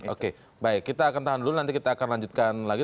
oke baik kita akan tahan dulu nanti kita akan lanjutkan lagi